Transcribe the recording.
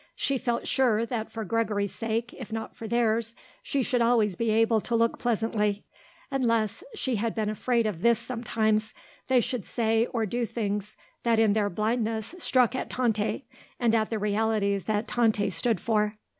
She felt sure that for Gregory's sake, if not for theirs, she should always be able to look pleasantly; unless she had been afraid of this sometimes they should say or do things that in their blindness struck at Tante and at the realities that Tante stood for.